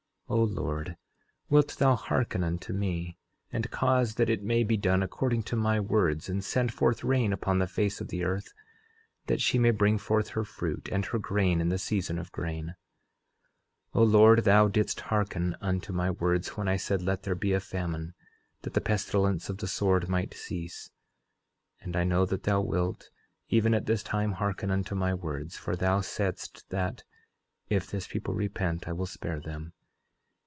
11:13 O Lord, wilt thou hearken unto me, and cause that it may be done according to my words, and send forth rain upon the face of the earth, that she may bring forth her fruit, and her grain in the season of grain. 11:14 O Lord, thou didst hearken unto my words when I said, Let there be a famine, that the pestilence of the sword might cease; and I know that thou wilt, even at this time, hearken unto my words, for thou saidst that: If this people repent I will spare them.